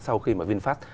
sau khi mà vinfast